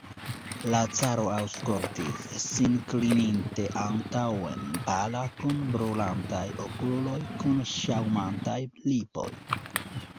La caro aŭskultis, sin klininte antaŭen, pala, kun brulantaj okuloj, kun ŝaŭmantaj lipoj.